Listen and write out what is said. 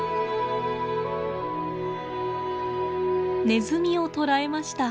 ネズミを捕らえました。